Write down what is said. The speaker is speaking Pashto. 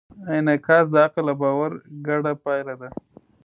انعکاس د عقل او باور ګډه پایله ده.